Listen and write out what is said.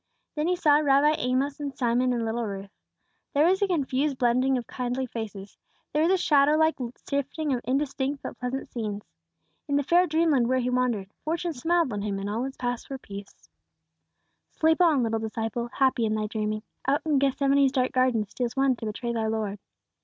Then he saw Rabbi Amos and Simon and little Ruth. There was a confused blending of kindly faces; there was a shadow like shifting of indistinct but pleasant scenes. In the fair dreamland where he wandered, fortune smiled on him, and all his paths were peace. Sleep on, little disciple, happy in thy dreaming; out in Gethsemane's dark garden steals one to betray thy Lord!